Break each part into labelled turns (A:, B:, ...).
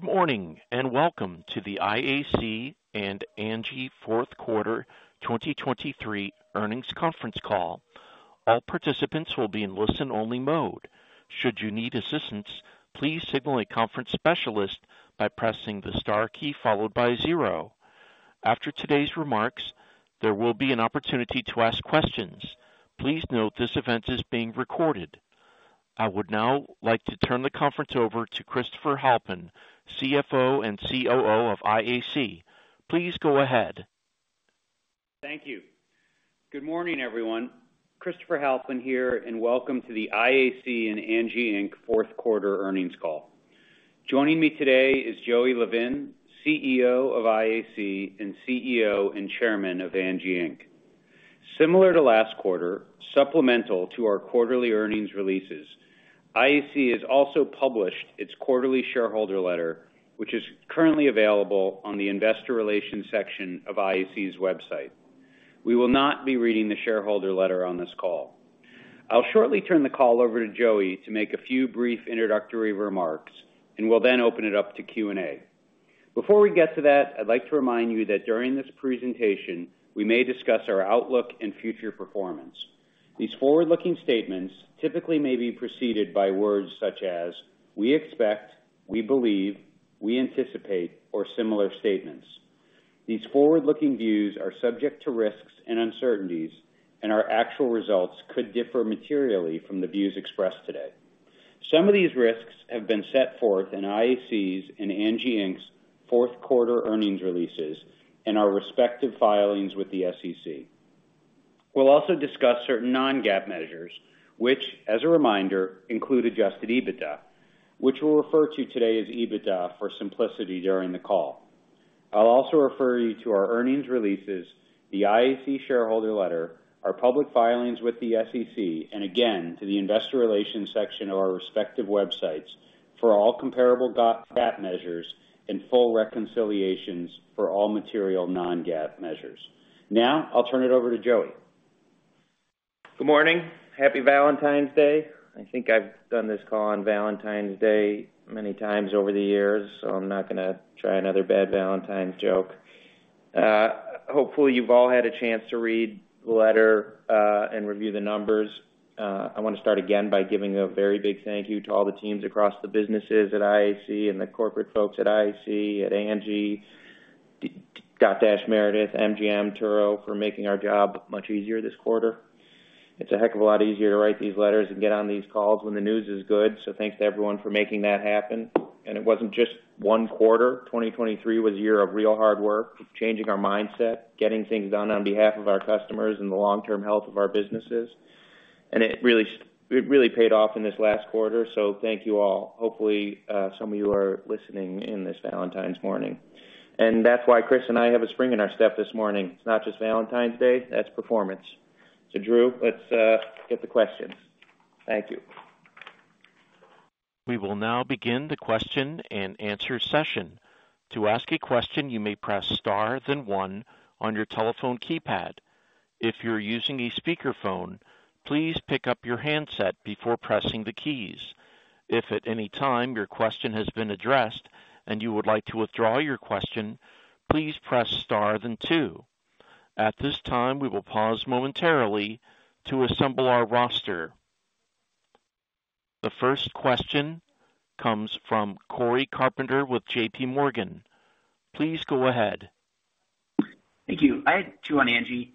A: Good morning and welcome to the IAC and Angi Fourth Quarter 2023 Earnings Conference Call. All participants will be in listen-only mode. Should you need assistance, please signal a conference specialist by pressing the star key followed by zero. After today's remarks, there will be an opportunity to ask questions. Please note this event is being recorded. I would now like to turn the conference over to Christopher Halpin, CFO and COO of IAC. Please go ahead.
B: Thank you. Good morning, everyone. Christopher Halpin here, and welcome to the IAC and Angi Inc. Fourth Quarter earnings call. Joining me today is Joey Levin, CEO of IAC and CEO and Chairman of Angi Inc. Similar to last quarter, supplemental to our quarterly earnings releases, IAC has also published its quarterly shareholder letter, which is currently available on the Investor Relations section of IAC's website. We will not be reading the shareholder letter on this call. I'll shortly turn the call over to Joey to make a few brief introductory remarks, and we'll then open it up to Q&A. Before we get to that, I'd like to remind you that during this presentation we may discuss our outlook and future performance. These forward-looking statements typically may be preceded by words such as "we expect," "we believe," "we anticipate," or similar statements. These forward-looking views are subject to risks and uncertainties, and our actual results could differ materially from the views expressed today. Some of these risks have been set forth in IAC's and Angi Inc.'s Fourth Quarter earnings releases and our respective filings with the SEC. We'll also discuss certain non-GAAP measures, which, as a reminder, include Adjusted EBITDA, which we'll refer to today as EBITDA for simplicity during the call. I'll also refer you to our earnings releases, the IAC shareholder letter, our public filings with the SEC, and again to the Investor Relations section of our respective websites for all comparable GAAP measures and full reconciliations for all material non-GAAP measures. Now I'll turn it over to Joey.
C: Good morning. Happy Valentine's Day. I think I've done this call on Valentine's Day many times over the years, so I'm not going to try another bad Valentine's joke. Hopefully you've all had a chance to read the letter and review the numbers. I want to start again by giving a very big thank you to all the teams across the businesses at IAC and the corporate folks at IAC, at Angi, Dotdash Meredith, MGM, Turo for making our job much easier this quarter. It's a heck of a lot easier to write these letters and get on these calls when the news is good, so thanks to everyone for making that happen. And it wasn't just one quarter. 2023 was a year of real hard work, changing our mindset, getting things done on behalf of our customers and the long-term health of our businesses. It really paid off in this last quarter, so thank you all. Hopefully some of you are listening in this Valentine's morning. That's why Chris and I have a spring in our step this morning. It's not just Valentine's Day, that's performance. Drew, let's get the questions. Thank you.
A: We will now begin the question and answer session. To ask a question, you may press star then one on your telephone keypad. If you're using a speakerphone, please pick up your handset before pressing the keys. If at any time your question has been addressed and you would like to withdraw your question, please press star then two. At this time, we will pause momentarily to assemble our roster. The first question comes from Cory Carpenter with JPMorgan. Please go ahead.
D: Thank you. I had two on Angi.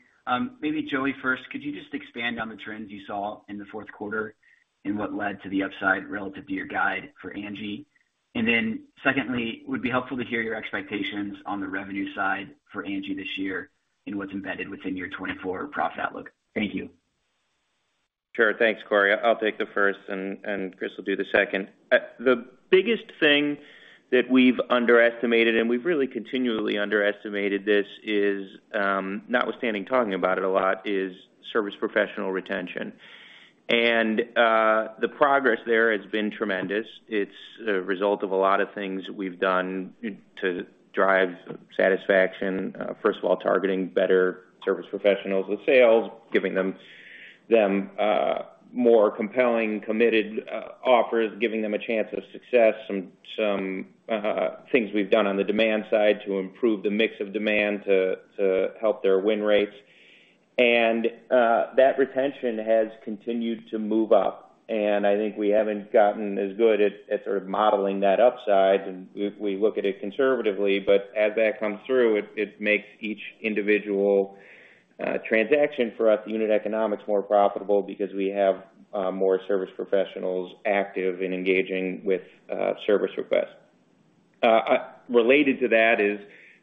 D: Maybe Joey first, could you just expand on the trends you saw in the fourth quarter and what led to the upside relative to your guide for Angi? And then secondly, it would be helpful to hear your expectations on the revenue side for Angi this year and what's embedded within your 2024 profit outlook. Thank you.
C: Sure. Thanks, Cory. I'll take the first, and Chris will do the second. The biggest thing that we've underestimated, and we've really continually underestimated this is notwithstanding talking about it a lot, is service professional retention. The progress there has been tremendous. It's a result of a lot of things we've done to drive satisfaction, first of all targeting better service professionals with sales, giving them more compelling, committed offers, giving them a chance of success, some things we've done on the demand side to improve the mix of demand to help their win rates. That retention has continued to move up, and I think we haven't gotten as good at sort of modeling that upside. And we look at it conservatively, but as that comes through, it makes each individual transaction for us, the unit economics, more profitable because we have more service professionals active and engaging with service requests. Related to that is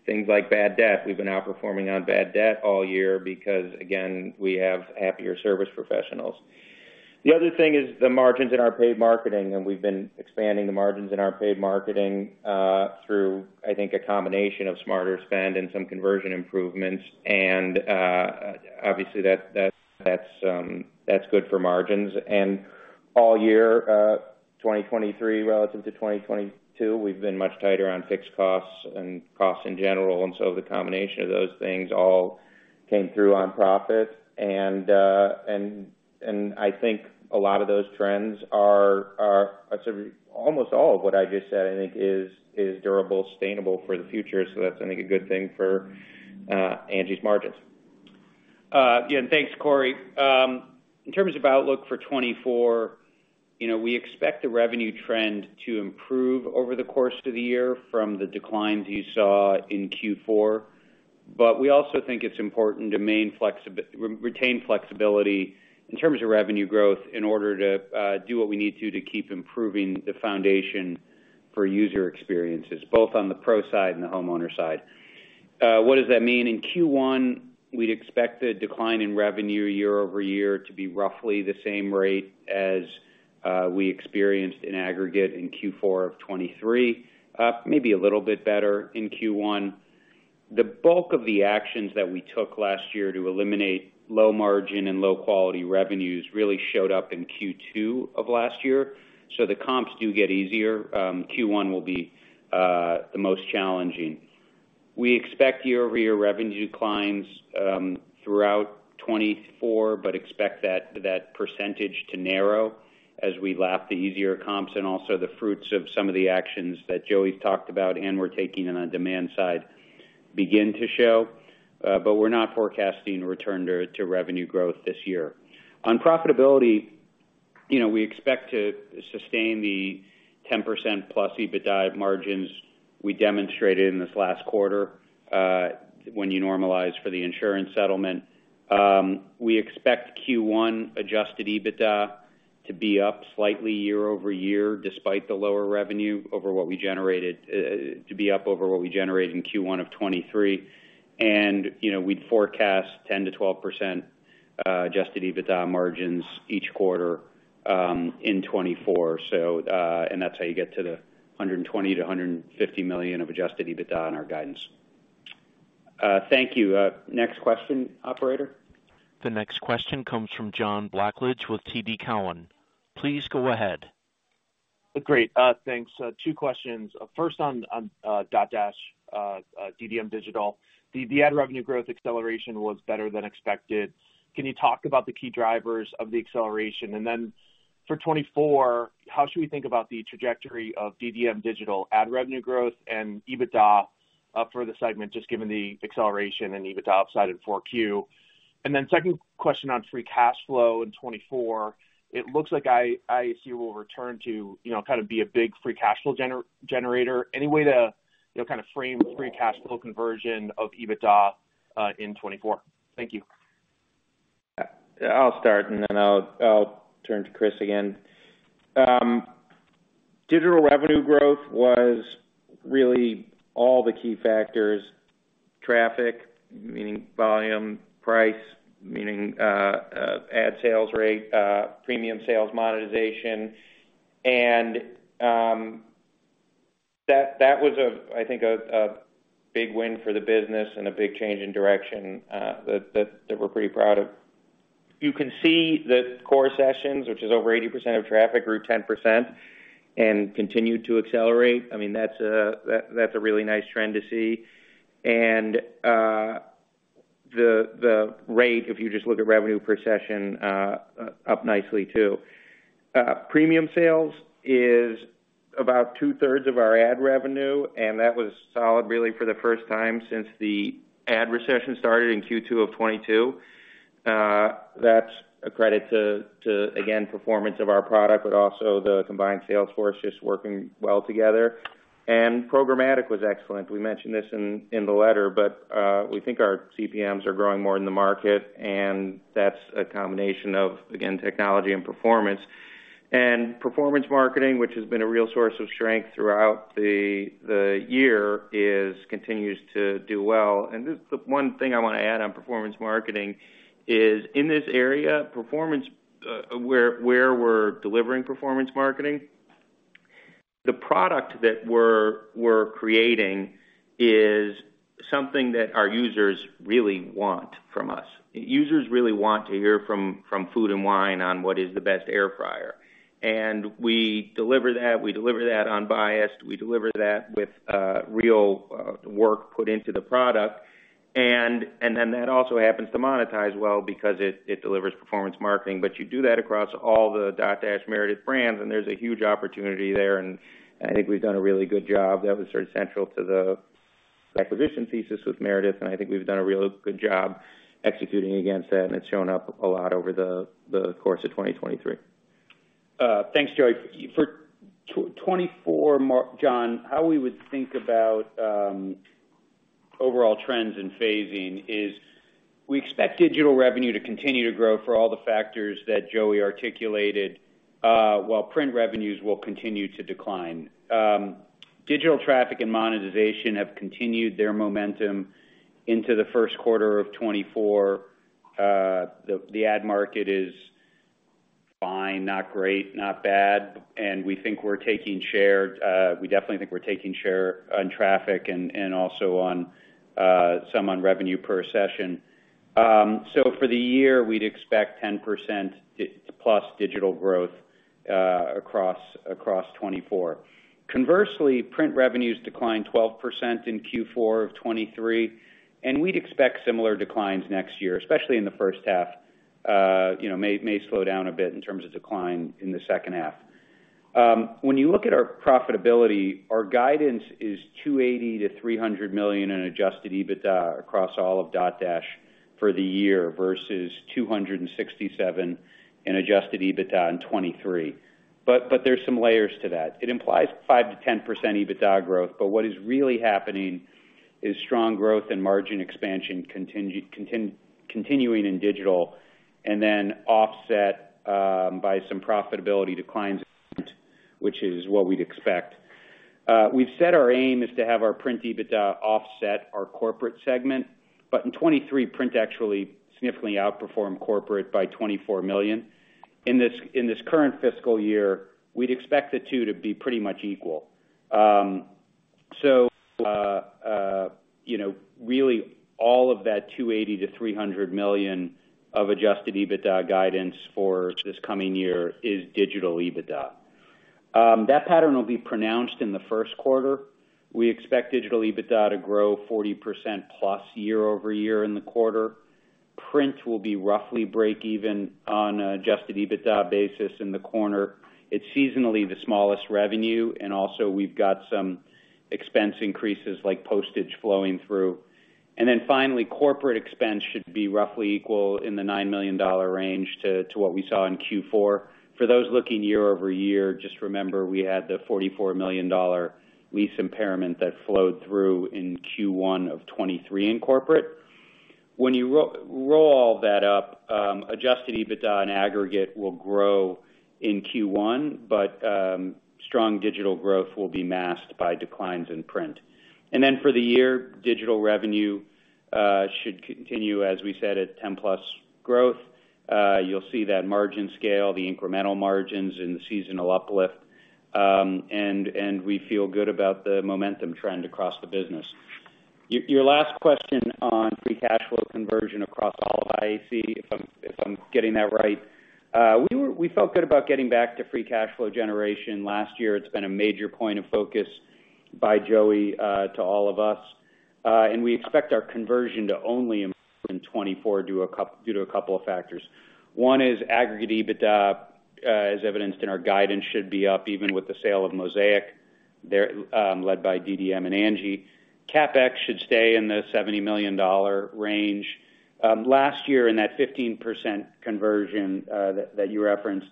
C: things like bad debt. We've been outperforming on bad debt all year because, again, we have happier service professionals. The other thing is the margins in our paid marketing, and we've been expanding the margins in our paid marketing through, I think, a combination of smarter spend and some conversion improvements. And obviously, that's good for margins. And all year, 2023 relative to 2022, we've been much tighter on fixed costs and costs in general, and so the combination of those things all came through on profit. I think a lot of those trends are almost all of what I just said, I think, is durable, sustainable for the future, so that's, I think, a good thing for Angi's margins.
B: Yeah, and thanks, Cory. In terms of outlook for 2024, we expect the revenue trend to improve over the course of the year from the declines you saw in Q4, but we also think it's important to retain flexibility in terms of revenue growth in order to do what we need to to keep improving the foundation for user experiences, both on the pro side and the homeowner side. What does that mean? In Q1, we'd expect the decline in revenue year-over-year to be roughly the same rate as we experienced in aggregate in Q4 of 2023, maybe a little bit better in Q1. The bulk of the actions that we took last year to eliminate low margin and low quality revenues really showed up in Q2 of last year, so the comps do get easier. Q1 will be the most challenging. We expect year-over-year revenue declines throughout 2024, but expect that percentage to narrow as we lap the easier comps and also the fruits of some of the actions that Joey's talked about and we're taking on the demand side begin to show. But we're not forecasting return to revenue growth this year. On profitability, we expect to sustain the 10%+ EBITDA margins we demonstrated in this last quarter when you normalize for the insurance settlement. We expect Q1 Adjusted EBITDA to be up slightly year-over-year despite the lower revenue over what we generated to be up over what we generated in Q1 of 2023. We'd forecast 10%-12% Adjusted EBITDA margins each quarter in 2024, and that's how you get to the $120 million-$150 million of Adjusted EBITDA on our guidance. Thank you. Next question, operator.
A: The next question comes from John Blackledge with TD Cowen. Please go ahead.
E: Great. Thanks. Two questions. First on Dotdash, DDM Digital. The ad revenue growth acceleration was better than expected. Can you talk about the key drivers of the acceleration? And then for 2024, how should we think about the trajectory of DDM Digital ad revenue growth and EBITDA for the segment, just given the acceleration and EBITDA upside in 4Q? And then second question on free cash flow in 2024. It looks like IAC will return to kind of be a big free cash flow generator. Any way to kind of frame free cash flow conversion of EBITDA in 2024? Thank you.
C: I'll start, and then I'll turn to Chris again. Digital revenue growth was really all the key factors: traffic, meaning volume, price, meaning ad sales rate, premium sales monetization. And that was, I think, a big win for the business and a big change in direction that we're pretty proud of. You can see the core sessions, which is over 80% of traffic, grew 10% and continued to accelerate. I mean, that's a really nice trend to see. And the rate, if you just look at revenue per session, up nicely too. Premium sales is about 2/3 of our ad revenue, and that was solid, really, for the first time since the ad recession started in Q2 of 2022. That's a credit to, again, performance of our product, but also the combined sales force just working well together. And programmatic was excellent. We mentioned this in the letter, but we think our CPMs are growing more in the market, and that's a combination of, again, technology and performance. And performance marketing, which has been a real source of strength throughout the year, continues to do well. And the one thing I want to add on performance marketing is, in this area, where we're delivering performance marketing, the product that we're creating is something that our users really want from us. Users really want to hear from Food & Wine on what is the best air fryer. And we deliver that. We deliver that unbiased. We deliver that with real work put into the product. And then that also happens to monetize well because it delivers performance marketing. But you do that across all the Dotdash Meredith brands, and there's a huge opportunity there, and I think we've done a really good job. That was sort of central to the acquisition thesis with Meredith, and I think we've done a real good job executing against that, and it's shown up a lot over the course of 2023.
B: Thanks, Joey. For 2024, John, how we would think about overall trends and phasing is we expect digital revenue to continue to grow for all the factors that Joey articulated while print revenues will continue to decline. Digital traffic and monetization have continued their momentum into the first quarter of 2024. The ad market is fine, not great, not bad, and we think we're taking share. We definitely think we're taking share on traffic and also some on revenue per session. So for the year, we'd expect 10%+ digital growth across 2024. Conversely, print revenues declined 12% in Q4 of 2023, and we'd expect similar declines next year, especially in the first half. May slow down a bit in terms of decline in the second half. When you look at our profitability, our guidance is $280 million-$300 million in Adjusted EBITDA across all of Dotdash for the year versus $267 million in Adjusted EBITDA in 2023. But there's some layers to that. It implies 5%-10% EBITDA growth, but what is really happening is strong growth and margin expansion continuing in digital and then offset by some profitability declines, which is what we'd expect. We've set our aim is to have our print EBITDA offset our corporate segment, but in 2023, print actually significantly outperformed corporate by $24 million. In this current fiscal year, we'd expect the two to be pretty much equal. So really, all of that $280 million-$300 million of Adjusted EBITDA guidance for this coming year is digital EBITDA. That pattern will be pronounced in the first quarter. We expect digital EBITDA to grow 40%+ year-over-year in the quarter. Print will be roughly break-even on an Adjusted EBITDA basis in the quarter. It's seasonally the smallest revenue, and also we've got some expense increases like postage flowing through. And then finally, corporate expense should be roughly equal in the $9 million range to what we saw in Q4. For those looking year-over-year, just remember we had the $44 million lease impairment that flowed through in Q1 of 2023 in corporate. When you roll all that up, Adjusted EBITDA in aggregate will grow in Q1, but strong digital growth will be masked by declines in print. And then for the year, digital revenue should continue, as we said, at 10%+ growth. You'll see that margin scale, the incremental margins, and the seasonal uplift. And we feel good about the momentum trend across the business. Your last question on free cash flow conversion across all of IAC, if I'm getting that right. We felt good about getting back to free cash flow generation last year. It's been a major point of focus by Joey to all of us. We expect our conversion to only improve in 2024 due to a couple of factors. One is aggregate EBITDA, as evidenced in our guidance, should be up even with the sale of Mosaic led by DDM and Angi. CapEx should stay in the $70 million range. Last year, in that 15% conversion that you referenced,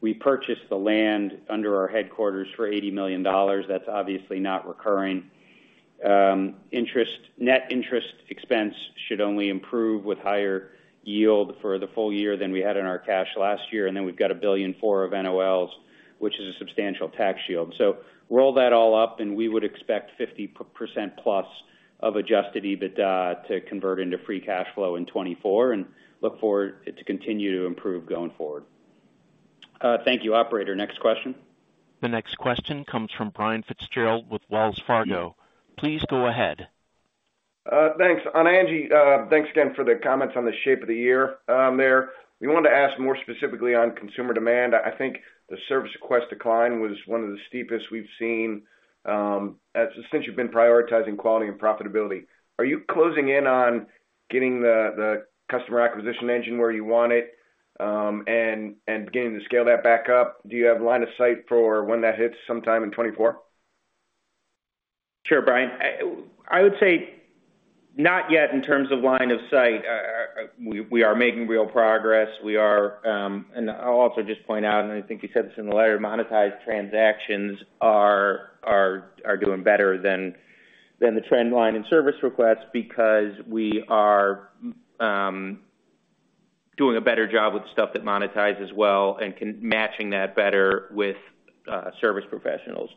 B: we purchased the land under our headquarters for $80 million. That's obviously not recurring. Net interest expense should only improve with higher yield for the full year than we had in our cash last year. We've got $1.4 billion of NOLs, which is a substantial tax shield. So roll that all up, and we would expect 50%+ of Adjusted EBITDA to convert into free cash flow in 2024 and look forward to continue to improve going forward. Thank you, operator. Next question.
A: The next question comes from Brian Fitzgerald with Wells Fargo. Please go ahead.
F: Thanks. On Angi, thanks again for the comments on the shape of the year there. We wanted to ask more specifically on consumer demand. I think the service request decline was one of the steepest we've seen since you've been prioritizing quality and profitability. Are you closing in on getting the customer acquisition engine where you want it and beginning to scale that back up? Do you have line of sight for when that hits sometime in 2024?
C: Sure, Brian. I would say not yet in terms of line of sight. We are making real progress. We are and I'll also just point out, and I think you said this in the letter, monetized transactions are doing better than the trend line in service requests because we are doing a better job with stuff that monetizes well and matching that better with service professionals.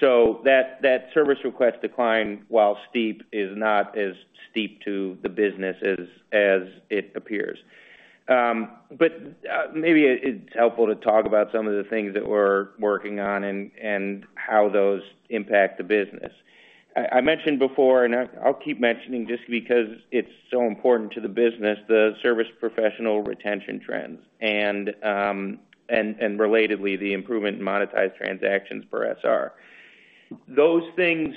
C: So that service request decline, while steep, is not as steep to the business as it appears. But maybe it's helpful to talk about some of the things that we're working on and how those impact the business. I mentioned before, and I'll keep mentioning just because it's so important to the business, the service professional retention trends and, relatedly, the improvement in monetized transactions per SR. Those things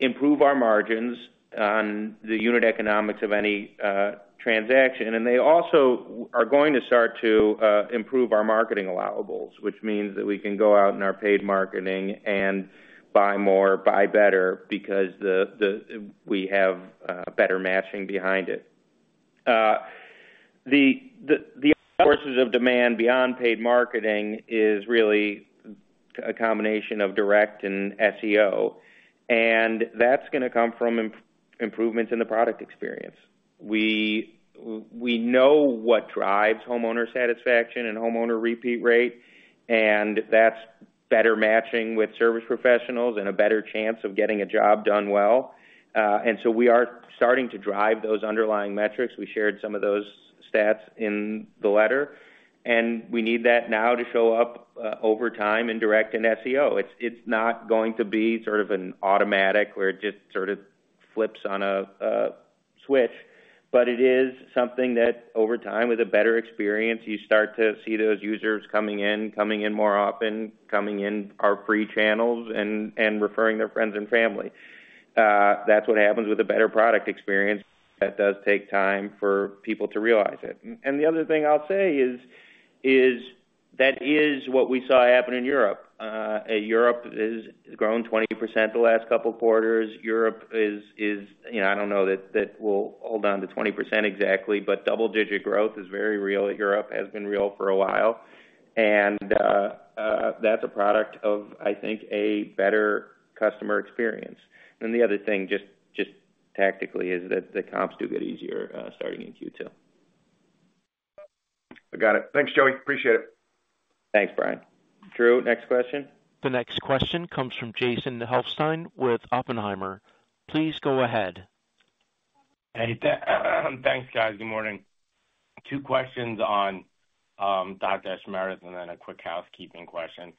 C: improve our margins on the unit economics of any transaction, and they also are going to start to improve our marketing allowables, which means that we can go out in our paid marketing and buy more, buy better because we have better matching behind it. The sources of demand beyond paid marketing is really a combination of direct and SEO, and that's going to come from improvements in the product experience. We know what drives homeowner satisfaction and homeowner repeat rate, and that's better matching with service professionals and a better chance of getting a job done well. And so we are starting to drive those underlying metrics. We shared some of those stats in the letter, and we need that now to show up over time in direct and SEO. It's not going to be sort of an automatic where it just sort of flips on a switch, but it is something that, over time, with a better experience, you start to see those users coming in, coming in more often, coming in our free channels, and referring their friends and family. That's what happens with a better product experience. That does take time for people to realize it. And the other thing I'll say is that is what we saw happen in Europe. Europe has grown 20% the last couple of quarters. Europe, I don't know that we'll hold on to 20% exactly, but double-digit growth is very real at Europe, has been real for a while. And that's a product of, I think, a better customer experience. And then the other thing, just tactically, is that the comps do get easier starting in Q2.
F: I got it. Thanks, Joey. Appreciate it.
C: Thanks, Brian. Drew, next question?
A: The next question comes from Jason Helfstein with Oppenheimer. Please go ahead.
G: Thanks, guys. Good morning. Two questions on Dotdash Meredith and then a quick housekeeping question.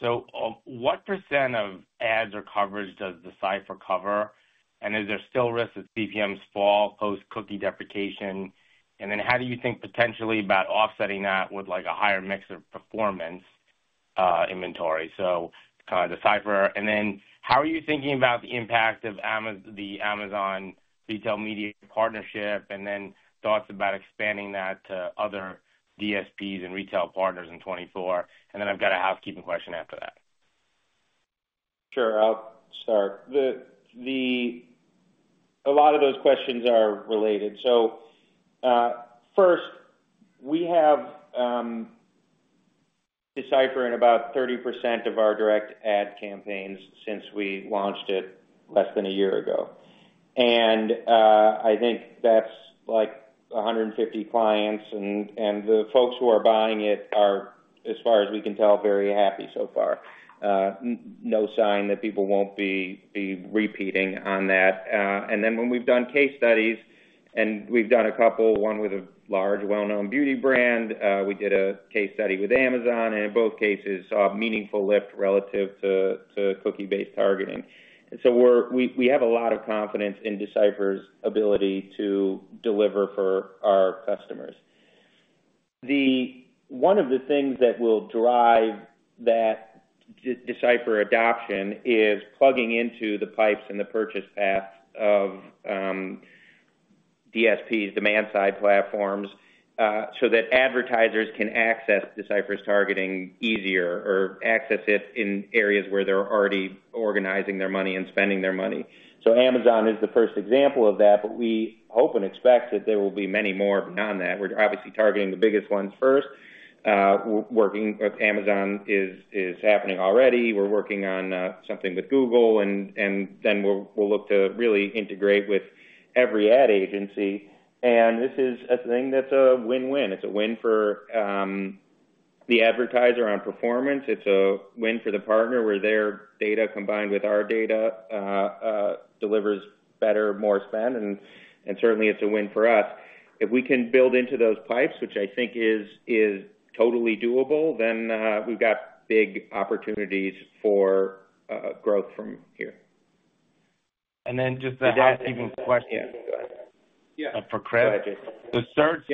G: So what % of ads or coverage does D/Cipher cover, and is there still risk that CPMs fall post-cookie deprecation? And then how do you think potentially about offsetting that with a higher mix of performance inventory? So kind of D/Cipher. And then how are you thinking about the impact of the Amazon retail media partnership and then thoughts about expanding that to other DSPs and retail partners in 2024? And then I've got a housekeeping question after that.
C: Sure. I'll start. A lot of those questions are related. So first, we have D/Cipher in about 30% of our direct ad campaigns since we launched it less than a year ago. And I think that's 150 clients, and the folks who are buying it are, as far as we can tell, very happy so far. No sign that people won't be repeating on that. And then when we've done case studies and we've done a couple, one with a large, well-known beauty brand. We did a case study with Amazon, and in both cases, saw a meaningful lift relative to cookie-based targeting. And so we have a lot of confidence in D/Cipher's ability to deliver for our customers. One of the things that will drive that D/Cipher adoption is plugging into the pipes and the purchase path of DSPs, demand-side platforms, so that advertisers can access D/Cipher's targeting easier or access it in areas where they're already organizing their money and spending their money. So Amazon is the first example of that, but we hope and expect that there will be many more beyond that. We're obviously targeting the biggest ones first. Working with Amazon is happening already. We're working on something with Google, and then we'll look to really integrate with every ad agency. And this is a thing that's a win-win. It's a win for the advertiser on performance. It's a win for the partner where their data combined with our data delivers better, more spend, and certainly, it's a win for us. If we can build into those pipes, which I think is totally doable, then we've got big opportunities for growth from here.
G: And then just the housekeeping question.
H: Yeah.
G: Go ahead.
H: Yeah.
G: For Chris.
H: Go ahead, Jason.
G: So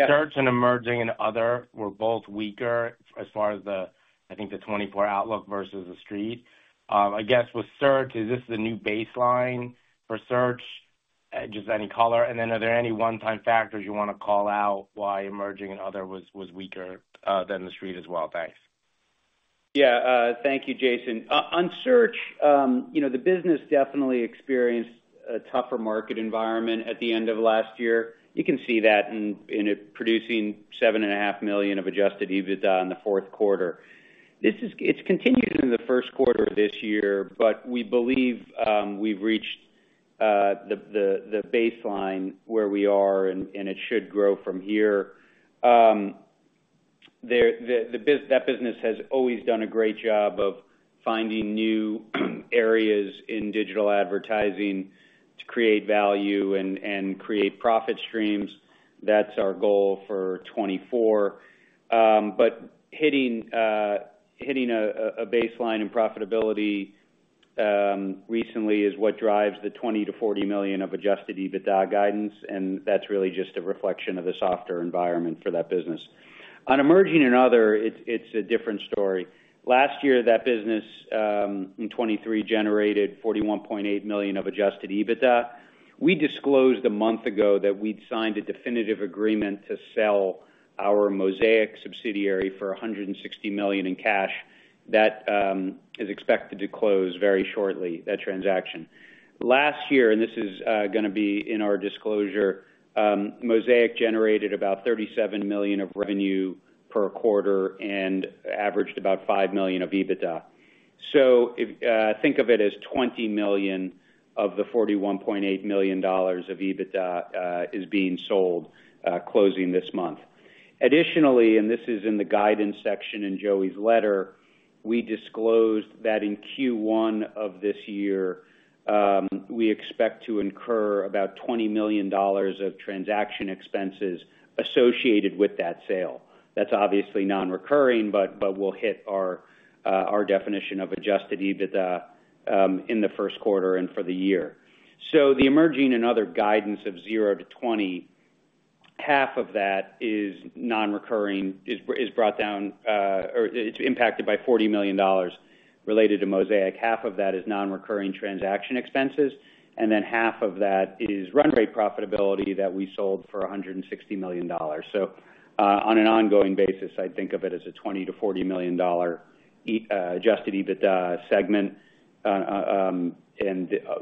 G: search and emerging and other were both weaker as far as, I think, the 2024 Outlook versus the Street. I guess with search, is this the new baseline for search? Just any color. And then are there any one-time factors you want to call out why emerging and other was weaker than the Street as well? Thanks.
B: Yeah. Thank you, Jason. On search, the business definitely experienced a tougher market environment at the end of last year. You can see that in it producing $7.5 million of Adjusted EBITDA in the fourth quarter. It's continued in the first quarter of this year, but we believe we've reached the baseline where we are, and it should grow from here. That business has always done a great job of finding new areas in digital advertising to create value and create profit streams. That's our goal for 2024. But hitting a baseline in profitability recently is what drives the $20 million-$40 million of Adjusted EBITDA guidance, and that's really just a reflection of the softer environment for that business. On emerging and other, it's a different story. Last year, that business in 2023 generated $41.8 million of Adjusted EBITDA. We disclosed a month ago that we'd signed a definitive agreement to sell our Mosaic subsidiary for $160 million in cash. That is expected to close very shortly, that transaction. Last year, and this is going to be in our disclosure, Mosaic generated about $37 million of revenue per quarter and averaged about $5 million of EBITDA. So think of it as $20 million of the $41.8 million of EBITDA is being sold closing this month. Additionally, and this is in the guidance section in Joey's letter, we disclosed that in Q1 of this year, we expect to incur about $20 million of transaction expenses associated with that sale. That's obviously non-recurring, but we'll hit our definition of Adjusted EBITDA in the first quarter and for the year. So the emerging and other guidance of $0-$20 million, half of that is non-recurring, is brought down or it's impacted by $40 million related to Mosaic. Half of that is non-recurring transaction expenses, and then half of that is run-rate profitability that we sold for $160 million. So on an ongoing basis, I'd think of it as a $20 million-$40 million Adjusted EBITDA segment, and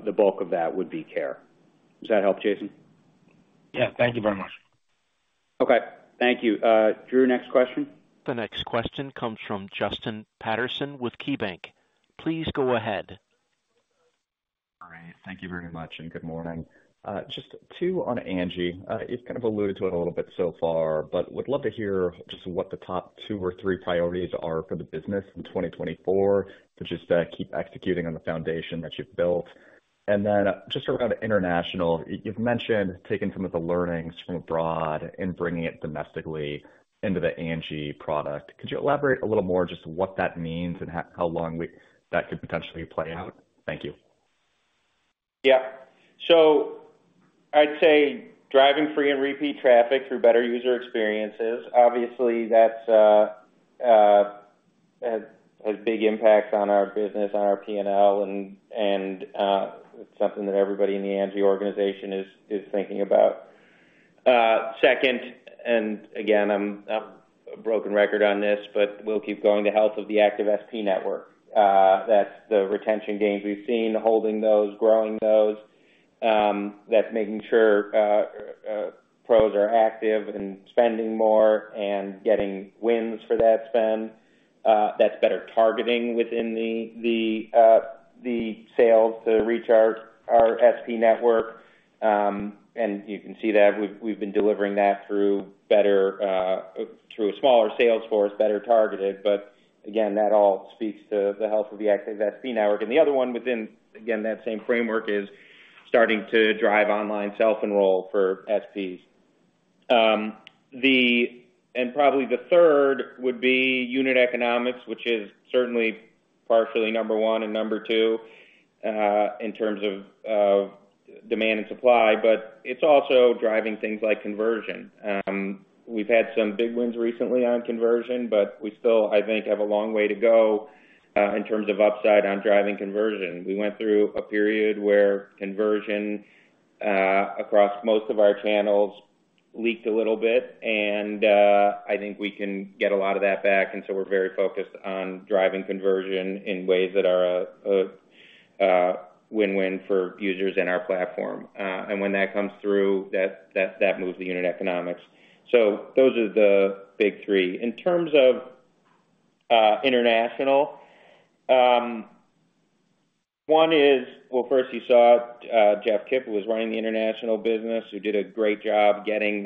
B: the bulk of that would be care. Does that help, Jason?
G: Yeah. Thank you very much.
B: Okay. Thank you. Drew, next question.
A: The next question comes from Justin Patterson with KeyBanc. Please go ahead.
I: All right. Thank you very much, and good morning. Just two on Angi. You've kind of alluded to it a little bit so far, but would love to hear just what the top two or three priorities are for the business in 2024 to just keep executing on the foundation that you've built. And then just around international, you've mentioned taking some of the learnings from abroad and bringing it domestically into the Angi product. Could you elaborate a little more just what that means and how long that could potentially play out? Thank you.
C: Yeah. So I'd say driving free and repeat traffic through better user experiences. Obviously, that has big impacts on our business, on our P&L, and it's something that everybody in the Angi organization is thinking about. Second, and again, I'm a broken record on this, but we'll keep going, the health of the active SP network. That's the retention gains we've seen, holding those, growing those. That's making sure pros are active and spending more and getting wins for that spend. That's better targeting within the sales to reach our SP network. And you can see that we've been delivering that through a smaller sales force, better targeted. But again, that all speaks to the health of the active SP network. And the other one within, again, that same framework is starting to drive online self-enroll for SPs. And probably the third would be unit economics, which is certainly partially number one and number two in terms of demand and supply, but it's also driving things like conversion. We've had some big wins recently on conversion, but we still, I think, have a long way to go in terms of upside on driving conversion. We went through a period where conversion across most of our channels leaked a little bit, and I think we can get a lot of that back. And so we're very focused on driving conversion in ways that are a win-win for users and our platform. And when that comes through, that moves the unit economics. So those are the big three. In terms of international, one is, well, first, you saw Jeff Kipp, who was running the international business, who did a great job getting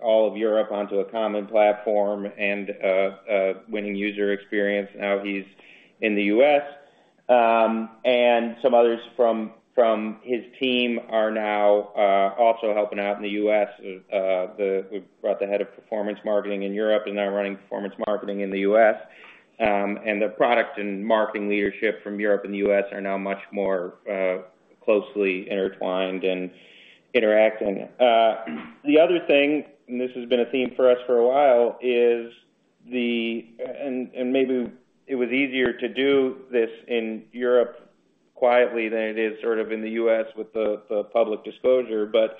C: all of Europe onto a common platform and winning user experience. Now he's in the U.S. And some others from his team are now also helping out in the U.S. We brought the head of performance marketing in Europe and now running performance marketing in the U.S. And the product and marketing leadership from Europe and the U.S. are now much more closely intertwined and interacting. The other thing, and this has been a theme for us for a while, is, and maybe it was easier to do this in Europe quietly than it is sort of in the U.S. with the public disclosure, but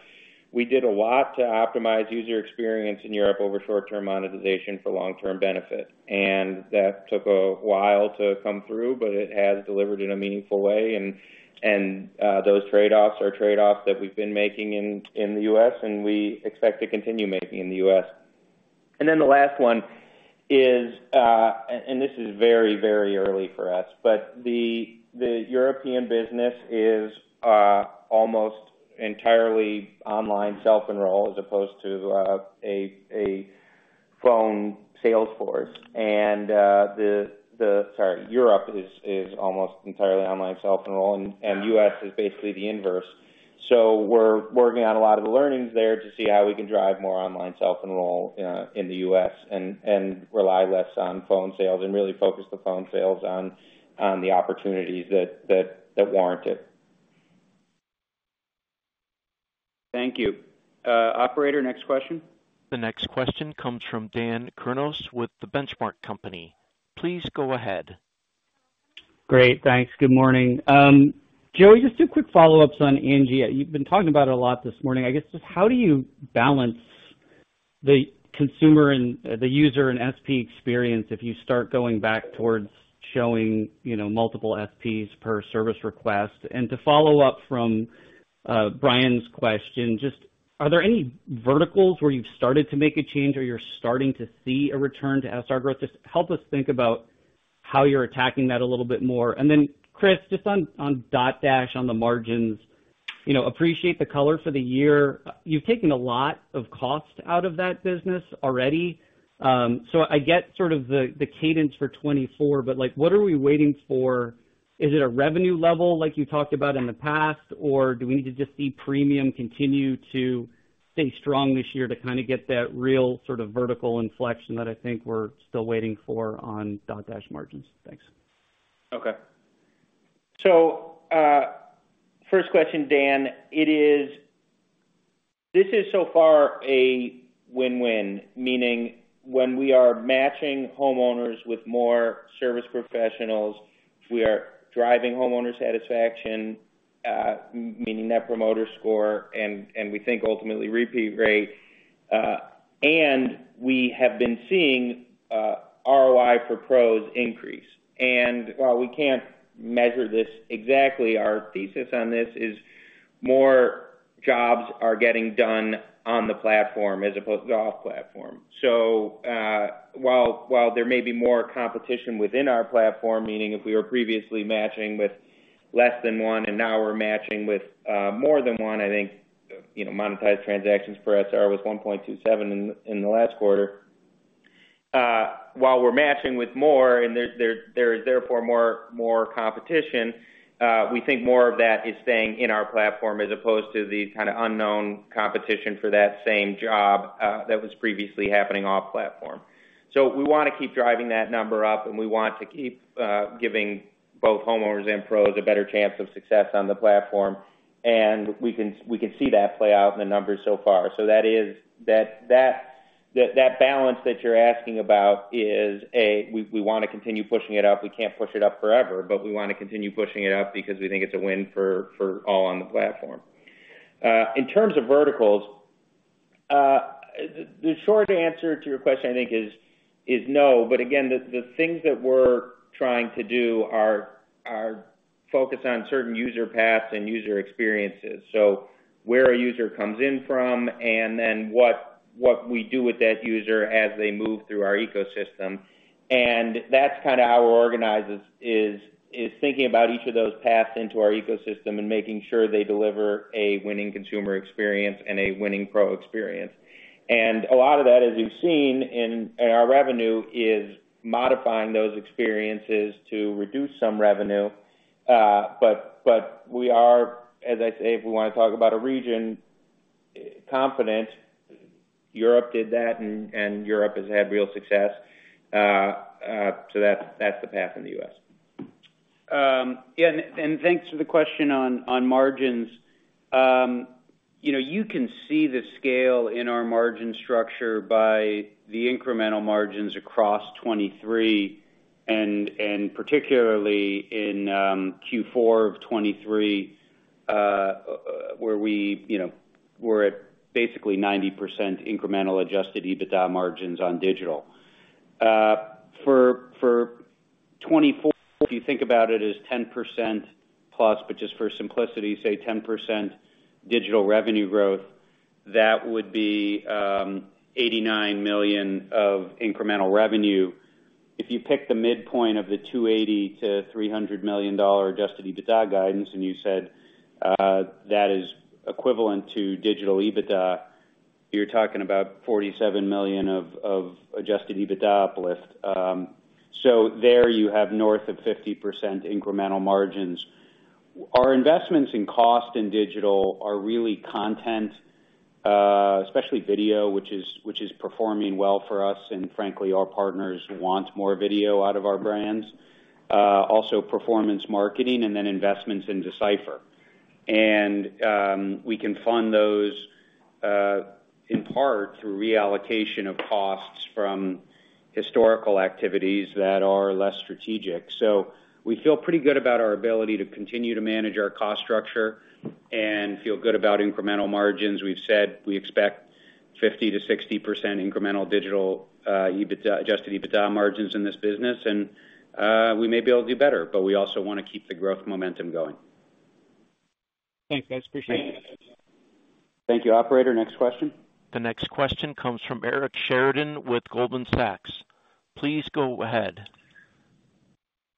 C: we did a lot to optimize user experience in Europe over short-term monetization for long-term benefit. And that took a while to come through, but it has delivered in a meaningful way. Those trade-offs are trade-offs that we've been making in the U.S., and we expect to continue making in the U.S. And then the last one is, and this is very, very early for us, but the European business is almost entirely online self-enroll as opposed to a phone sales force. And, sorry, Europe is almost entirely online self-enroll, and U.S. is basically the inverse. So we're working on a lot of the learnings there to see how we can drive more online self-enroll in the U.S. and rely less on phone sales and really focus the phone sales on the opportunities that warrant it.
B: Thank you. Operator, next question.
A: The next question comes from Dan Kurnos with The Benchmark Company. Please go ahead.
J: Great. Thanks. Good morning. Joey, just two quick follow-ups on Angi. You've been talking about it a lot this morning. I guess just how do you balance the consumer and the user and SP experience if you start going back towards showing multiple SPs per service request? And to follow up from Brian's question, just are there any verticals where you've started to make a change or you're starting to see a return to SR growth? Just help us think about how you're attacking that a little bit more. And then Chris, just on Dotdash, on the margins, appreciate the color for the year. You've taken a lot of cost out of that business already. So I get sort of the cadence for 2024, but what are we waiting for? Is it a revenue level like you talked about in the past, or do we need to just see premium continue to stay strong this year to kind of get that real sort of vertical inflection that I think we're still waiting for on Dotdash margins? Thanks.
C: Okay. So first question, Dan. This is so far a win-win, meaning when we are matching homeowners with more service professionals, we are driving homeowner satisfaction, meaning Net Promoter Score, and we think ultimately repeat rate, and we have been seeing ROI for pros increase. And while we can't measure this exactly, our thesis on this is more jobs are getting done on the platform as opposed to off-platform. So while there may be more competition within our platform, meaning if we were previously matching with less than one and now we're matching with more than one, I think monetized transactions per SR was 1.27 in the last quarter. While we're matching with more, and there is therefore more competition, we think more of that is staying in our platform as opposed to the kind of unknown competition for that same job that was previously happening off-platform. So we want to keep driving that number up, and we want to keep giving both homeowners and pros a better chance of success on the platform. And we can see that play out in the numbers so far. So that balance that you're asking about is, we want to continue pushing it up. We can't push it up forever, but we want to continue pushing it up because we think it's a win for all on the platform. In terms of verticals, the short answer to your question, I think, is no. But again, the things that we're trying to do are focus on certain user paths and user experiences, so where a user comes in from and then what we do with that user as they move through our ecosystem. And that's kind of how we're organized, is thinking about each of those paths into our ecosystem and making sure they deliver a winning consumer experience and a winning pro experience. And a lot of that, as you've seen in our revenue, is modifying those experiences to reduce some revenue. But we are, as I say, if we want to talk about a region, confident. Europe did that, and Europe has had real success. So that's the path in the U.S.
B: Yeah. And thanks for the question on margins. You can see the scale in our margin structure by the incremental margins across 2023 and particularly in Q4 of 2023 where we were at basically 90% incremental Adjusted EBITDA margins on digital. For 2024, if you think about it as 10%+, but just for simplicity, say 10% digital revenue growth, that would be $89 million of incremental revenue. If you pick the midpoint of the $280 million-$300 million Adjusted EBITDA guidance, and you said that is equivalent to digital EBITDA, you're talking about $47 million of Adjusted EBITDA uplift. So there, you have north of 50% incremental margins. Our investments in cost in digital are really content, especially video, which is performing well for us, and frankly, our partners want more video out of our brands. Also, performance marketing and then investments in Decipher. We can fund those in part through reallocation of costs from historical activities that are less strategic. We feel pretty good about our ability to continue to manage our cost structure and feel good about incremental margins. We've said we expect 50%-60% incremental digital Adjusted EBITDA margins in this business, and we may be able to do better, but we also want to keep the growth momentum going.
J: Thanks. I appreciate it.
B: Thank you. Operator, next question.
A: The next question comes from Eric Sheridan with Goldman Sachs. Please go ahead.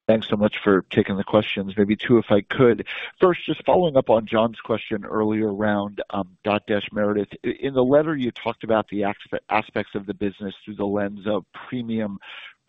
K: Thanks so much for taking the questions. Maybe two if I could. First, just following up on John's question earlier around Dotdash Meredith. In the letter, you talked about the aspects of the business through the lens of premium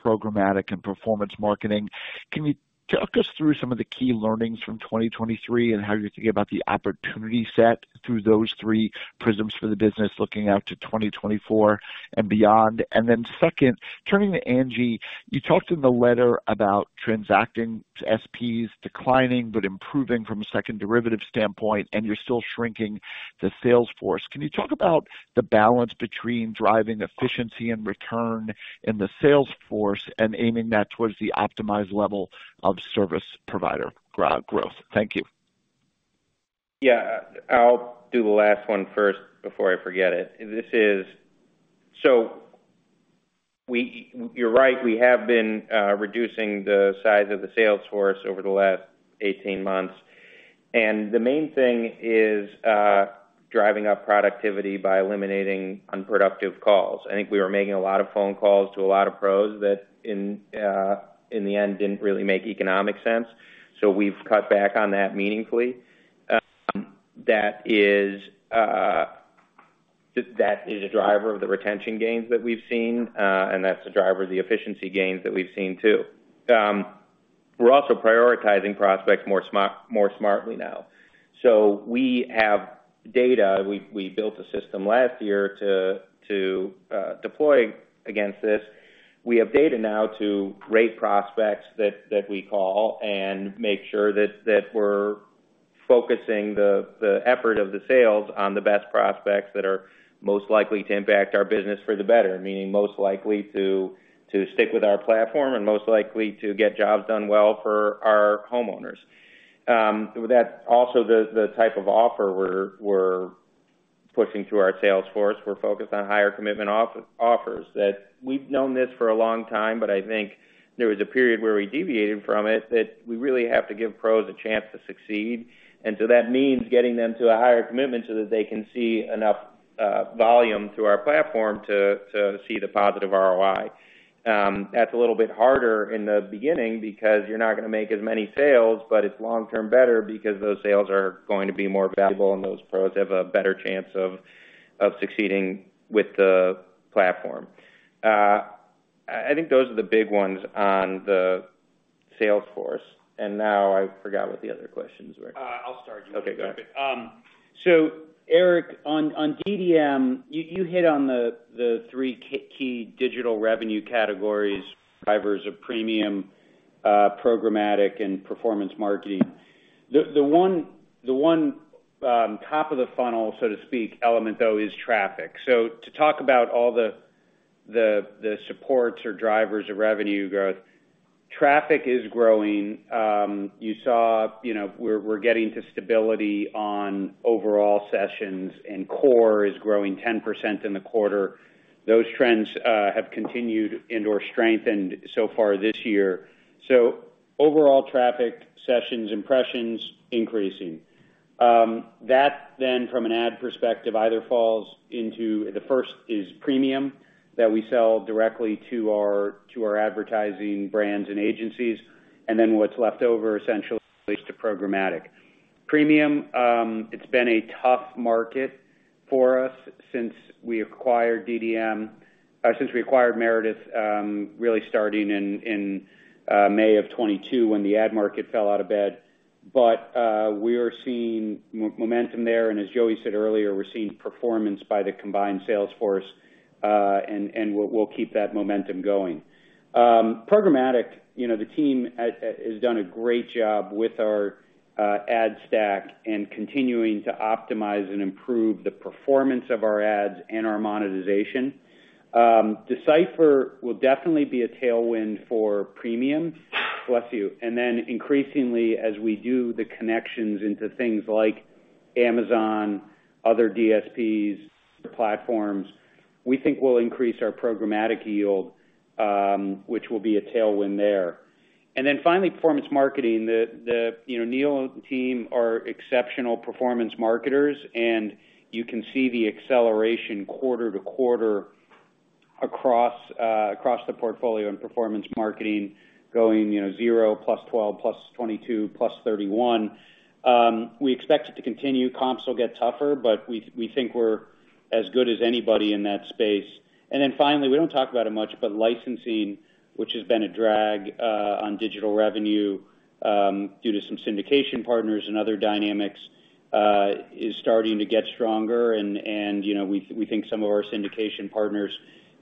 K: programmatic and performance marketing. Can you talk us through some of the key learnings from 2023 and how you think about the opportunity set through those three prisms for the business looking out to 2024 and beyond? And then second, turning to Angi, you talked in the letter about transacting SPs declining but improving from a second derivative standpoint, and you're still shrinking the sales force. Can you talk about the balance between driving efficiency and return in the sales force and aiming that towards the optimized level of service provider growth? Thank you.
C: Yeah. I'll do the last one first before I forget it. So you're right. We have been reducing the size of the sales force over the last 18 months. The main thing is driving up productivity by eliminating unproductive calls. I think we were making a lot of phone calls to a lot of pros that in the end didn't really make economic sense. So we've cut back on that meaningfully. That is a driver of the retention gains that we've seen, and that's a driver of the efficiency gains that we've seen too. We're also prioritizing prospects more smartly now. So we have data. We built a system last year to deploy against this. We have data now to rate prospects that we call and make sure that we're focusing the effort of the sales on the best prospects that are most likely to impact our business for the better, meaning most likely to stick with our platform and most likely to get jobs done well for our homeowners. That's also the type of offer we're pushing through our sales force. We're focused on higher commitment offers. We've known this for a long time, but I think there was a period where we deviated from it, that we really have to give pros a chance to succeed. And so that means getting them to a higher commitment so that they can see enough volume through our platform to see the positive ROI. That's a little bit harder in the beginning because you're not going to make as many sales, but it's long-term better because those sales are going to be more valuable, and those pros have a better chance of succeeding with the platform. I think those are the big ones on the sales force. And now I forgot what the other questions were.
B: I'll start. You can skip it. So, Eric, on DDM, you hit on the three key digital revenue categories, drivers of premium programmatic and performance marketing. The one top-of-the-funnel, so to speak, element, though, is traffic. So, to talk about all the supports or drivers of revenue growth, traffic is growing. You saw we're getting to stability on overall sessions, and core is growing 10% in the quarter. Those trends have continued and/or strengthened so far this year. So, overall traffic, sessions, impressions, increasing. That then, from an ad perspective, either falls into the first is premium that we sell directly to our advertising brands and agencies, and then what's left over, essentially, is to programmatic. Premium, it's been a tough market for us since we acquired DDM, since we acquired Meredith, really starting in May of 2022 when the ad market fell out of bed. But we are seeing momentum there, and as Joey said earlier, we're seeing performance by the combined Salesforce, and we'll keep that momentum going. Programmatic, the team has done a great job with our ad stack and continuing to optimize and improve the performance of our ads and our monetization. Decipher will definitely be a tailwind for premium. Bless you. And then increasingly, as we do the connections into things like Amazon, other DSPs, platforms, we think we'll increase our programmatic yield, which will be a tailwind there. And then finally, performance marketing. Neil and the team are exceptional performance marketers, and you can see the acceleration quarter to quarter across the portfolio in performance marketing going zero, +12, +22, +31. We expect it to continue. Comps will get tougher, but we think we're as good as anybody in that space. And then finally, we don't talk about it much, but licensing, which has been a drag on digital revenue due to some syndication partners and other dynamics, is starting to get stronger. And we think some of our syndication partners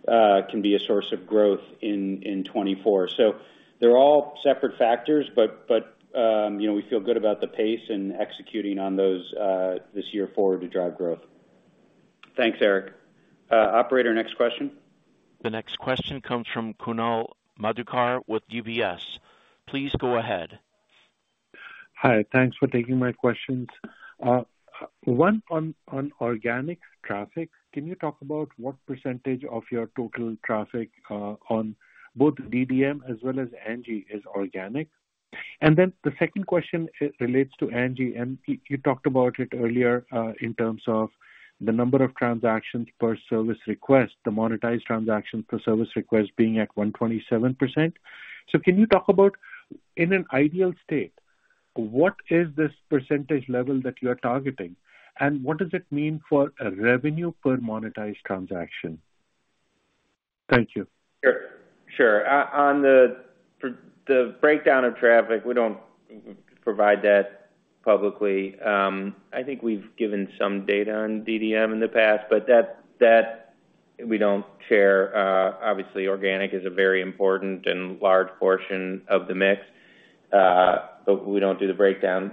B: can be a source of growth in 2024. So they're all separate factors, but we feel good about the pace and executing on those this year forward to drive growth. Thanks, Eric. Operator, next question.
A: The next question comes from Kunal Madhukar with UBS. Please go ahead.
L: Hi. Thanks for taking my questions. One, on organic traffic, can you talk about what percentage of your total traffic on both DDM as well as Angi is organic? The second question relates to Angi, and you talked about it earlier in terms of the number of transactions per service request, the monetized transactions per service request being at 127%. Can you talk about, in an ideal state, what is this percentage level that you are targeting, and what does it mean for revenue per monetized transaction? Thank you.
C: Sure. Sure. For the breakdown of traffic, we don't provide that publicly. I think we've given some data on DDM in the past, but that we don't share. Obviously, organic is a very important and large portion of the mix, but we don't do the breakdown.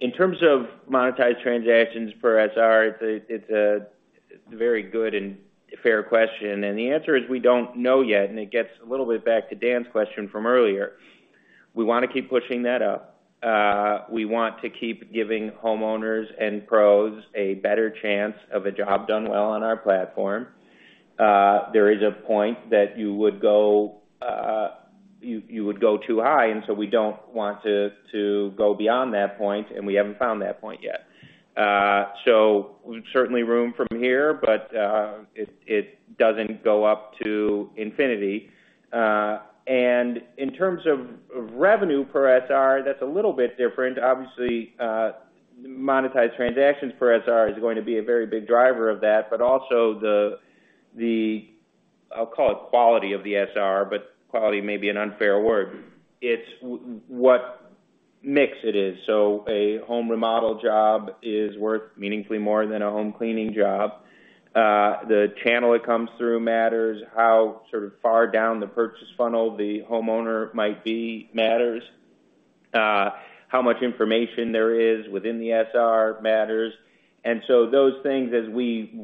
C: In terms of monetized transactions per SR, it's a very good and fair question. And the answer is we don't know yet, and it gets a little bit back to Dan's question from earlier. We want to keep pushing that up. We want to keep giving homeowners and pros a better chance of a job done well on our platform. There is a point that you would go too high, and so we don't want to go beyond that point, and we haven't found that point yet. So certainly, room from here, but it doesn't go up to infinity. And in terms of revenue per SR, that's a little bit different. Obviously, monetized transactions per SR is going to be a very big driver of that, but also the I'll call it quality of the SR, but quality may be an unfair word. It's what mix it is. So a home remodel job is worth meaningfully more than a home cleaning job. The channel it comes through matters. How sort of far down the purchase funnel the homeowner might be matters. How much information there is within the SR matters. And so those things, as we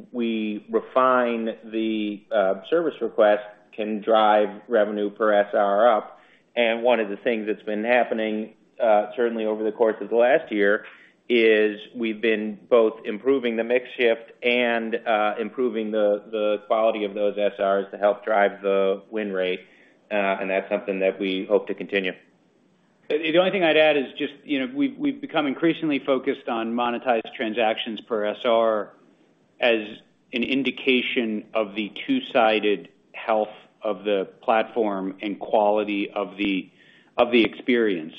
C: refine the service request, can drive revenue per SR up. One of the things that's been happening, certainly over the course of the last year, is we've been both improving the mix shift and improving the quality of those SRs to help drive the win rate, and that's something that we hope to continue.
B: The only thing I'd add is just we've become increasingly focused on monetized transactions per SR as an indication of the two-sided health of the platform and quality of the experience.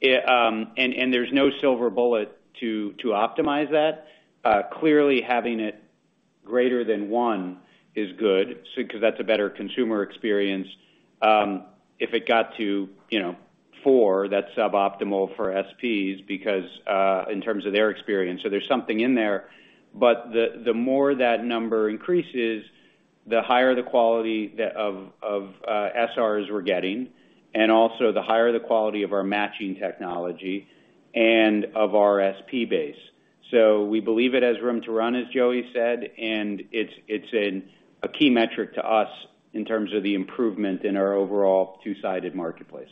B: There's no silver bullet to optimize that. Clearly, having it greater than one is good because that's a better consumer experience. If it got to four, that's suboptimal for SPs because in terms of their experience. There's something in there. The more that number increases, the higher the quality of SRs we're getting and also the higher the quality of our matching technology and of our SP base. We believe it has room to run, as Joey said, and it's a key metric to us in terms of the improvement in our overall two-sided marketplace.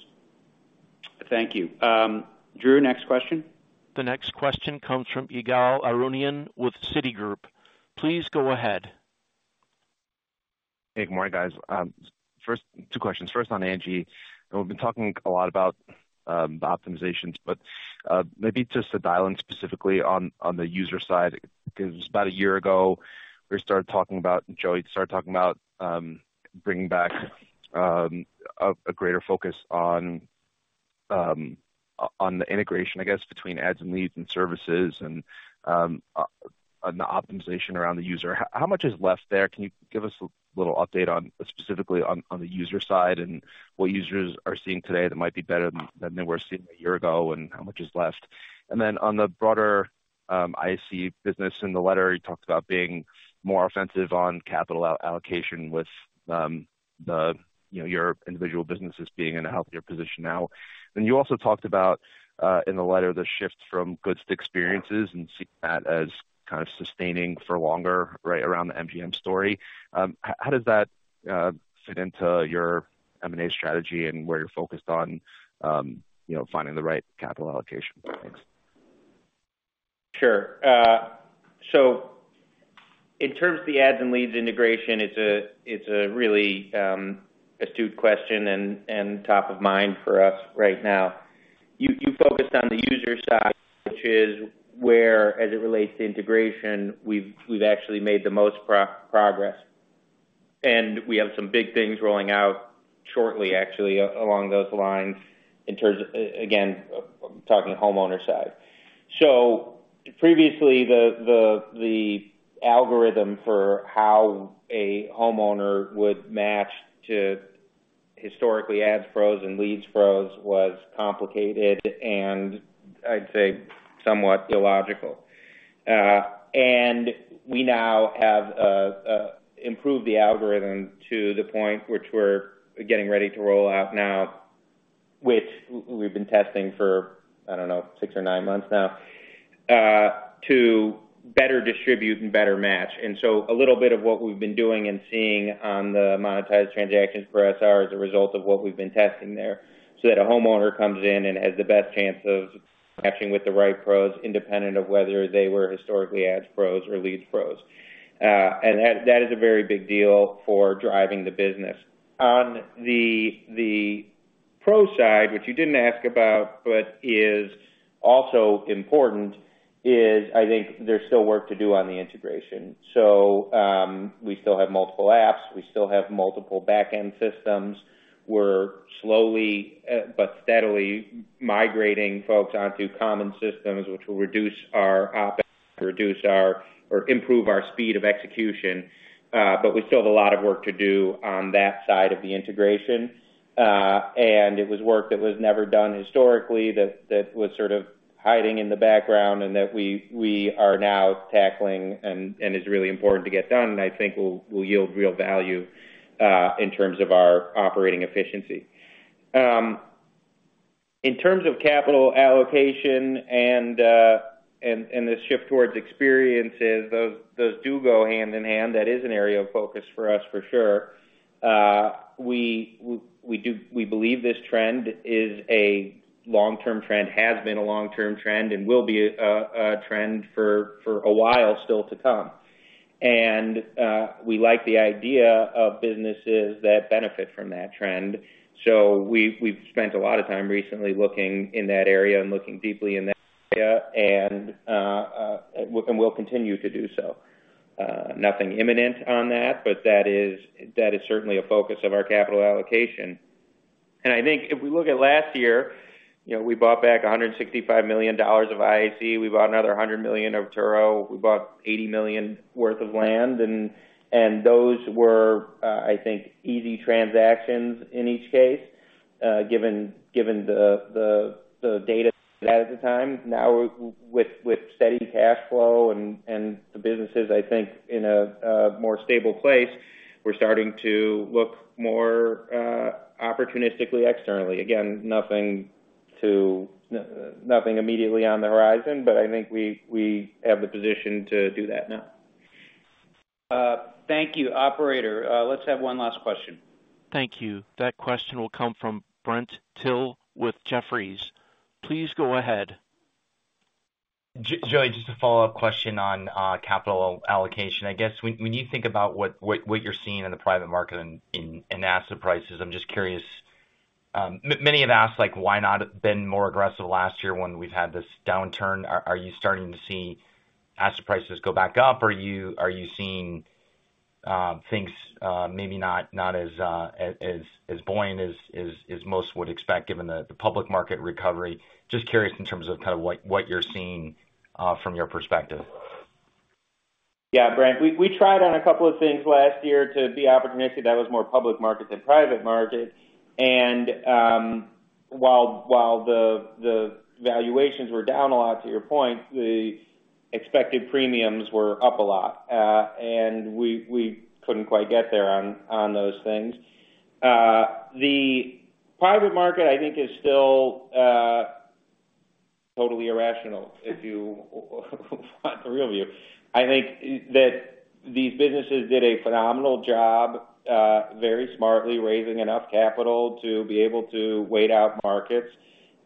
B: Thank you. Drew, next question.
A: The next question comes from Igal Arounian with Citigroup. Please go ahead.
M: Hey, good morning, guys. Two questions. First, on Angi. And we've been talking a lot about the optimizations. But maybe just to dial in specifically on the user side because about a year ago, we started talking about Joey started talking about bringing back a greater focus on the integration, I guess, between ads and leads and services and the optimization around the user. How much is left there? Can you give us a little update specifically on the user side and what users are seeing today that might be better than they were seeing a year ago and how much is left? And then on the broader IAC business, in the letter, you talked about being more offensive on capital allocation with your individual businesses being in a healthier position now. You also talked about, in the letter, the shift from good experiences and seeing that as kind of sustaining for longer right around the MGM story. How does that fit into your M&A strategy and where you're focused on finding the right capital allocation? Thanks.
C: Sure. So in terms of the ads and leads integration, it's a really astute question and top of mind for us right now. You focused on the user side, which is where, as it relates to integration, we've actually made the most progress. And we have some big things rolling out shortly, actually, along those lines in terms of, again, talking homeowner side. So previously, the algorithm for how a homeowner would match to historically ads pros and leads pros was complicated and, I'd say, somewhat illogical. And we now have improved the algorithm to the point which we're getting ready to roll out now, which we've been testing for, I don't know, six or nine months now, to better distribute and better match. And so a little bit of what we've been doing and seeing on the monetized transactions per SR is a result of what we've been testing there so that a homeowner comes in and has the best chance of matching with the right pros independent of whether they were historically ads pros or leads pros. And that is a very big deal for driving the business. On the pro side, which you didn't ask about but is also important, is I think there's still work to do on the integration. So we still have multiple apps. We still have multiple backend systems. We're slowly but steadily migrating folks onto common systems, which will reduce our ops or improve our speed of execution. But we still have a lot of work to do on that side of the integration. It was work that was never done historically that was sort of hiding in the background and that we are now tackling and is really important to get done and I think will yield real value in terms of our operating efficiency. In terms of capital allocation and this shift towards experiences, those do go hand in hand. That is an area of focus for us for sure. We believe this trend is a long-term trend, has been a long-term trend, and will be a trend for a while still to come. We like the idea of businesses that benefit from that trend. We've spent a lot of time recently looking in that area and looking deeply in that area, and we'll continue to do so. Nothing imminent on that, but that is certainly a focus of our capital allocation. And I think if we look at last year, we bought back $165 million of IAC. We bought another $100 million of Turo. We bought $80 million worth of land, and those were, I think, easy transactions in each case given the data at the time. Now, with steady cash flow and the businesses, I think, in a more stable place, we're starting to look more opportunistically externally. Again, nothing immediately on the horizon, but I think we have the position to do that now.
B: Thank you, Operator. Let's have one last question.
A: Thank you. That question will come from Brent Thill with Jefferies. Please go ahead.
N: Joey, just a follow-up question on capital allocation. I guess when you think about what you're seeing in the private market and asset prices, I'm just curious. Many have asked, "Why not been more aggressive last year when we've had this downturn? Are you starting to see asset prices go back up, or are you seeing things maybe not as buoyant as most would expect given the public market recovery?" Just curious in terms of kind of what you're seeing from your perspective.
C: Yeah, Brent. We tried on a couple of things last year to be opportunistic. That was more public market than private market. While the valuations were down a lot, to your point, the expected premiums were up a lot, and we couldn't quite get there on those things. The private market, I think, is still totally irrational if you want the real view. I think that these businesses did a phenomenal job very smartly raising enough capital to be able to wait out markets.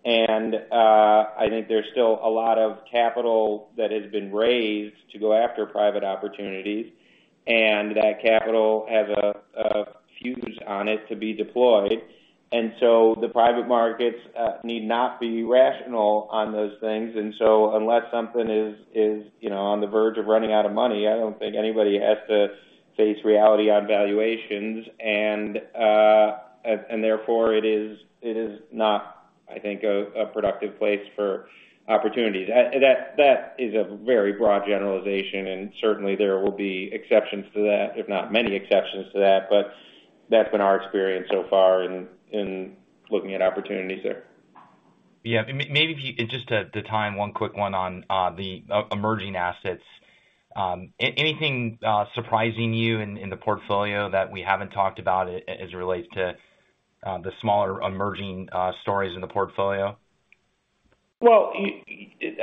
C: I think there's still a lot of capital that has been raised to go after private opportunities, and that capital has a fuse on it to be deployed. So the private markets need not be rational on those things. Unless something is on the verge of running out of money, I don't think anybody has to face reality on valuations, and therefore, it is not, I think, a productive place for opportunities. That is a very broad generalization, and certainly, there will be exceptions to that, if not many exceptions to that. But that's been our experience so far in looking at opportunities there.
N: Yeah. Maybe just to time, one quick one on the emerging assets. Anything surprising you in the portfolio that we haven't talked about as it relates to the smaller emerging stories in the portfolio?
C: Well,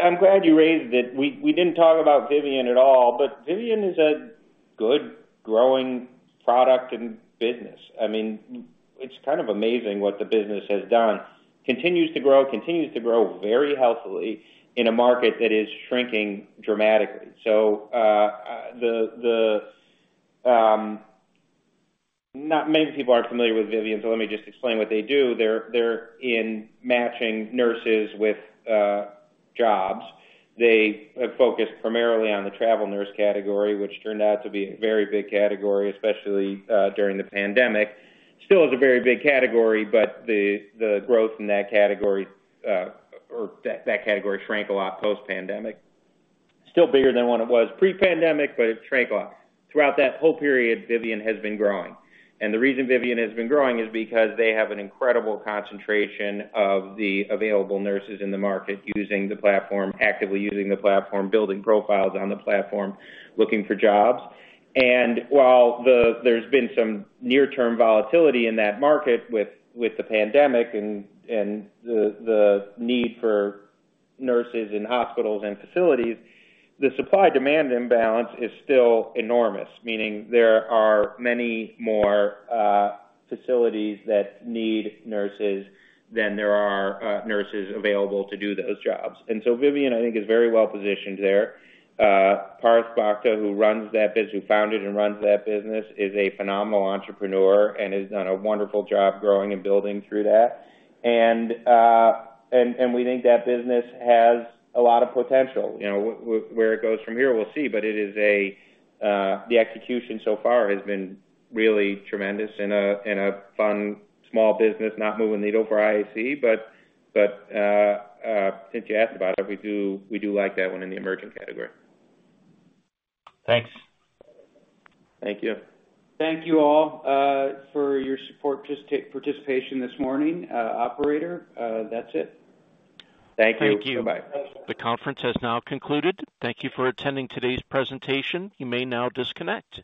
C: I'm glad you raised it. We didn't talk about Vivian at all, but Vivian is a good growing product and business. I mean, it's kind of amazing what the business has done. Continues to grow, continues to grow very healthily in a market that is shrinking dramatically. So many people aren't familiar with Vivian, so let me just explain what they do. They're in matching nurses with jobs. They have focused primarily on the travel nurse category, which turned out to be a very big category, especially during the pandemic. Still is a very big category, but the growth in that category or that category shrank a lot post-pandemic. Still bigger than when it was pre-pandemic, but it shrank a lot. Throughout that whole period, Vivian has been growing. The reason Vivian has been growing is because they have an incredible concentration of the available nurses in the market actively using the platform, building profiles on the platform, looking for jobs. While there's been some near-term volatility in that market with the pandemic and the need for nurses in hospitals and facilities, the supply-demand imbalance is still enormous, meaning there are many more facilities that need nurses than there are nurses available to do those jobs. So Vivian, I think, is very well positioned there. Parth Bhakta, who runs that business, who founded and runs that business, is a phenomenal entrepreneur and has done a wonderful job growing and building through that. We think that business has a lot of potential. Where it goes from here, we'll see, but the execution so far has been really tremendous in a fun small business, not moving the needle for IAC. But since you asked about it, we do like that one in the emerging category.
N: Thanks.
C: Thank you.
B: Thank you all for your participation this morning, Operator. That's it.
C: Thank you.
B: Thank you.
C: Bye-bye.
A: The conference has now concluded. Thank you for attending today's presentation. You may now disconnect.